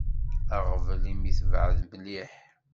Aɣbel imi tebεed mliḥ.